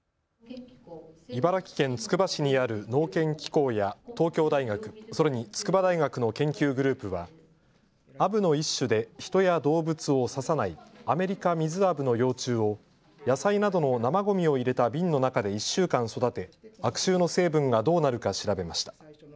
茨城県つくば市にある農研機構や東京大学、それに筑波大学の研究グループはアブの一種で人や動物を刺さないアメリカミズアブの幼虫を野菜などの生ごみを入れた瓶の中で１週間育て、悪臭の成分がどうなるか調べました。